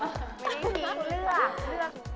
ไม่ได้ทิ้งคุณเลยนะครับ